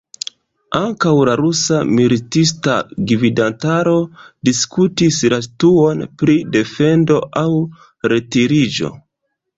Ankaŭ la rusa militista gvidantaro diskutis la situon pri defendo aŭ retiriĝo.